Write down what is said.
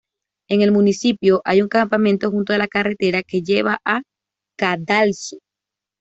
En el municipio hay un campamento junto a la carretera que lleva a Cadalso.